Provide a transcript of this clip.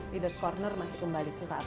leaders' corner masih kembali setelah ini